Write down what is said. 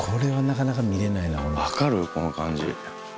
分かるこの感じ。